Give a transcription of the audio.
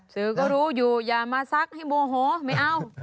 สื่อก็รู้อยู่อย่ามาซักให้โมโหไม่เอา